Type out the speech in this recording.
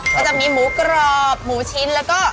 อ๋อแล้วจะมีหมูกรอบหมูชิ้นแล้วก็